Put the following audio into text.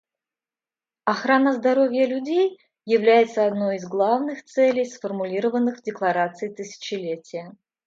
Охрана здоровья людей является одной из главных целей, сформулированных в Декларации тысячелетия.